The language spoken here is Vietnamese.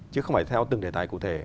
chứ không phải theo từng đề tài cụ thể